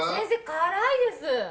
辛いです